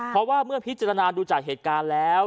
เพราะว่าเมื่อพิจารณาดูจากเหตุการณ์แล้ว